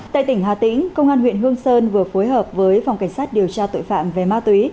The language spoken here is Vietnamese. tại tỉnh hà tĩnh công an huyện hương sơn vừa phối hợp với phòng cảnh sát điều tra tội phạm về ma túy